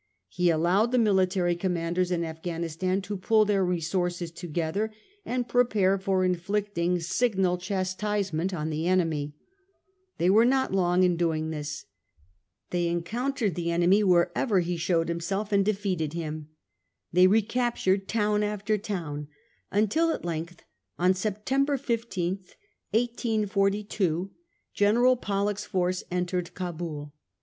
He allowed the military commanders in Afghanistan to pull their resources together and prepare for inflict ing signal chastisement on the enemy. They were not long in doing this. • They encountered the enemy CH. XI. 264 A HISTORY OF OUR OWN TIMES. wherever he showed himself and defeated him. They recaptured town after town, until at length, on Sep tember 15, 1842, General Pollock's force entered Cabul.